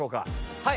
はい。